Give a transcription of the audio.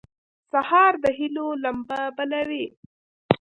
سهار د هيلو لمبه بلوي.